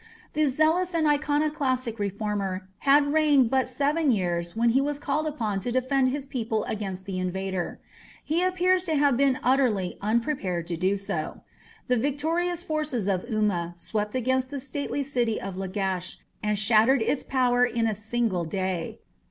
The zealous and iconoclastic reformer had reigned but seven years when he was called upon to defend his people against the invader. He appears to have been utterly unprepared to do so. The victorious forces of Umma swept against the stately city of Lagash and shattered its power in a single day.